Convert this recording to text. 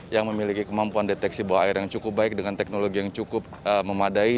yang memiliki kemampuan deteksi bawah air yang cukup baik dengan teknologi yang cukup memadai